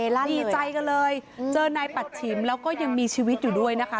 ดีใจกันเลยเจอนายปัดฉิมแล้วก็ยังมีชีวิตอยู่ด้วยนะคะ